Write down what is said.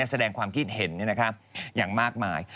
แสดงความคิดเห็นอย่างมากมาย